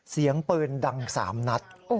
เสียงปืนดัง๓นัด